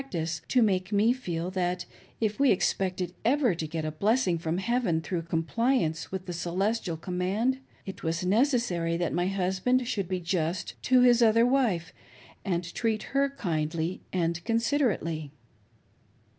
ctice to make me feel that if we expected ever to get a blessing from heaven through compliance with the "celestial" command, it was neces^ sary that my husband should be just to his other wife and treat her kindly and considerately.